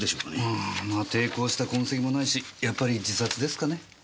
ああ抵抗した痕跡もないしやっぱり自殺ですかね？